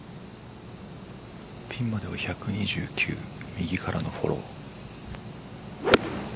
ピンまでは１２９右からのフォロー。